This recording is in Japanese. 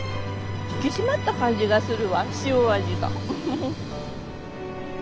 引き締まった感じがするわ塩味が。